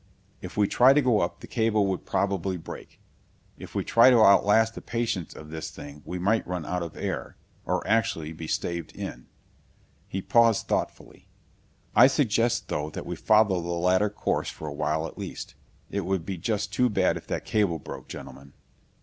"If we try to go up, the cable would probably break. If we try to outlast the patience of this thing we might run out of air, or actually be staved in." He paused thoughtfully. "I suggest, though, that we follow the latter course for awhile at least. It would be just too bad if that cable broke, gentlemen!"